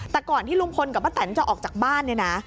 แต่ก่อนที่ลุงพลกับป้าแตนจะออกจากบ้านเนี่ยนะ